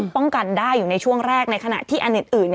ป้องกันได้อยู่ในช่วงแรกในขณะที่อันอื่น